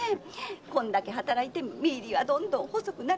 こんなに働いても身入りはどんどん細くなる。